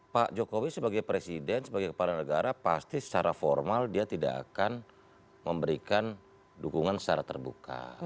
pak jokowi sebagai presiden sebagai kepala negara pasti secara formal dia tidak akan memberikan dukungan secara terbuka